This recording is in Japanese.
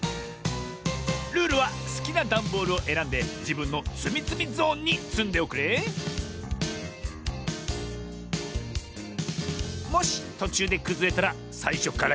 ルールはすきなダンボールをえらんでじぶんのつみつみゾーンにつんでおくれもしとちゅうでくずれたらさいしょからやりなおし。